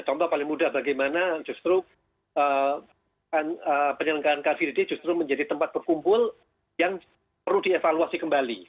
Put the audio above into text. contoh paling mudah bagaimana justru penyelenggaraan caferide justru menjadi tempat berkumpul yang perlu dievaluasi kembali